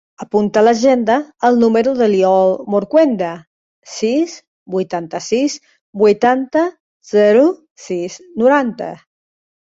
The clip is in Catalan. Apunta a l'agenda el número de l'Iol Morcuende: sis, vuitanta-sis, vuitanta, zero, sis, noranta.